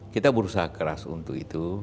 kita berusaha keras untuk itu